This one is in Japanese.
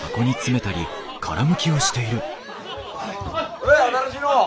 おい新しいの。